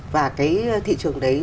và cái thị trường đấy